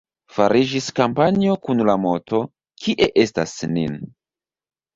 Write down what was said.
Fariĝis kampanjo kun la moto: «Kie estas Nin?».